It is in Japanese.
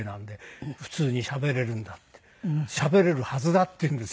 しゃべれるはずだって言うんですよ。